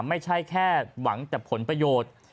ไม่ใช่แค่หวังแต่ผลประโยชน์